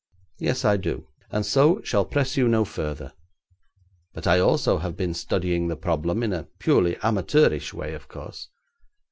'Yes, I do, and so shall press you no further. But I also have been studying the problem in a purely amateurish way, of course.